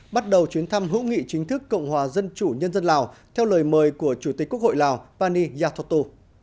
bắt đầu chuyến thăm hữu nghị chính thức cộng hòa dân chủ nhân dân lào theo lời mời của chủ tịch quốc hội lào pani yathoto